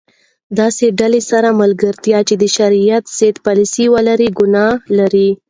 د داسي ډلي سره ملګرتیا چي د شرعیت ضد پالسي ولري؛ ګناه لري.